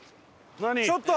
ちょっと！